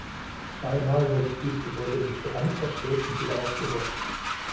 Zweimal wurde dieses Gebäude durch Brand zerstört und wieder aufgebaut.